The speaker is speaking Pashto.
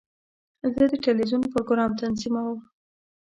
زه د ټلویزیون پروګرام تنظیموم.